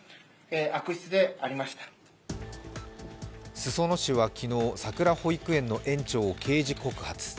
裾野市は昨日、さくら保育園の園長を刑事告発。